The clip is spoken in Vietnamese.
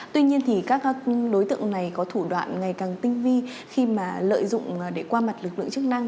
tuy nhiên thì các đối tượng này có thủ đoạn ngày càng tinh vi khi mà lợi dụng để qua mặt lực lượng chức năng